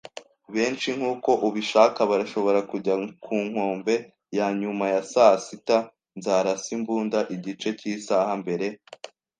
benshi nkuko ubishaka barashobora kujya ku nkombe ya nyuma ya saa sita. Nzarasa imbunda igice cy'isaha mbere